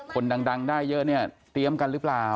คนดังได้เยอะเนี่ยเตรียมกันหรือเปล่า